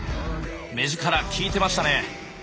目力利いてましたね。